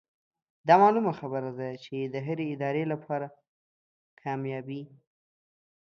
دا معلومه خبره ده چې د هرې ادارې لپاره کاميابي